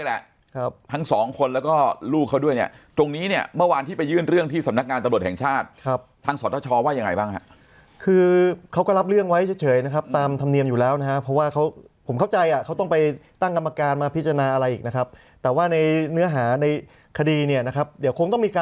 แหละครับทั้งสองคนแล้วก็ลูกเขาด้วยเนี่ยตรงนี้เนี่ยเมื่อวานที่ไปยื่นเรื่องที่สำนักงานตำรวจแห่งชาติครับทางสตชว่ายังไงบ้างฮะคือเขาก็รับเรื่องไว้เฉยนะครับตามธรรมเนียมอยู่แล้วนะฮะเพราะว่าเขาผมเข้าใจอ่ะเขาต้องไปตั้งกรรมการมาพิจารณาอะไรอีกนะครับแต่ว่าในเนื้อหาในคดีเนี่ยนะครับเดี๋ยวคงต้องมีก